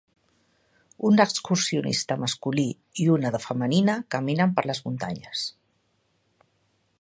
Un excursionista masculí i una de femenina caminen per les muntanyes.